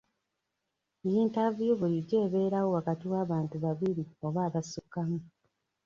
Yiintaaviyu bulijjo ebeerawo wakati w'abantu babiri oba abasukkamu.